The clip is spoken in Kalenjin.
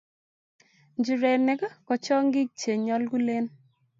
nchirenik ko chong'ik che nyolkulen